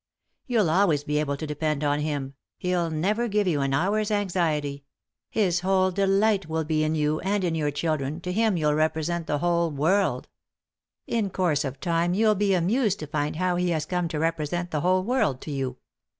You'll always be able to depend on him, he'll never give you an hour's anxiety; his whole delight will be in you, and in your children, to him you'll represent the whole world; in course of time you'll be amused to find how he has come to represent the whole world to you.